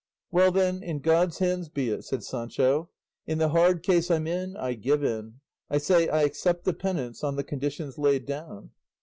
"Well then, in God's hands be it," said Sancho; "in the hard case I'm in I give in; I say I accept the penance on the conditions laid down."